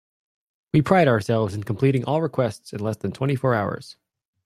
We pride ourselves in completing all requests in less than twenty four hours.